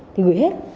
thì gửi hết